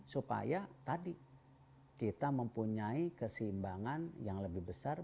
supaya tadi kita mempunyai keseimbangan yang lebih besar